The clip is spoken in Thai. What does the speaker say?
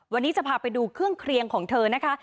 วันนี้จะพาไปดูเครื่องเคลียงของเธอนะคะ